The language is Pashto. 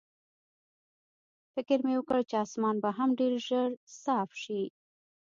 فکر مې وکړ چې اسمان به هم ډېر ژر صاف شي.